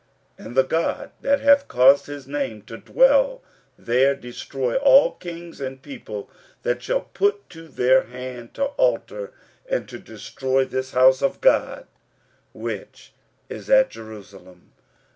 15:006:012 And the God that hath caused his name to dwell there destroy all kings and people, that shall put to their hand to alter and to destroy this house of God which is at Jerusalem.